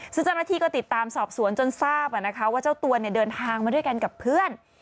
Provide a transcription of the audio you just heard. ซึ่งเจ้าหน้าที่ก็ติดตามสอบสวนจนทราบว่าเจ้าตัวเดินทางมาด้วยกันกับเพื่อน